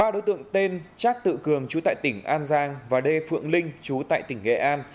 ba đối tượng tên trác tự cường trú tại tỉnh an giang và đê phượng linh trú tại tỉnh nghệ an